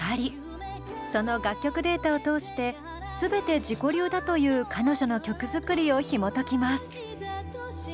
その楽曲データを通して全て自己流だという彼女の曲作りをひもときます。